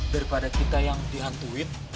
daripada kita yang dihantuin